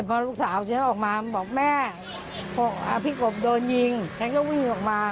พอลูกสาวฉันออกมาบอกแม่พี่กบโดนยิงฉันก็วิ่งออกมา